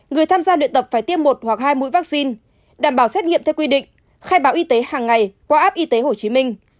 người tham gia luyện tập phải tiêm một hoặc hai mũi vaccine đảm bảo xét nghiệm theo quy định khai báo y tế hàng ngày qua app y tế hồ chí minh